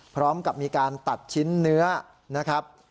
พร้อมกับมีการตัดชิ้นเนื้อนะครับ